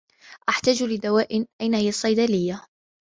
أحتاج لدواء. أين هي الصّيدليّة؟